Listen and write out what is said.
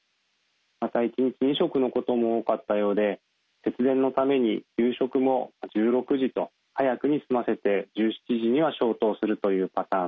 また１日２食のことも多かったようで節電のために夕食も１６時と早くに済ませて１７時には消灯するというパターン。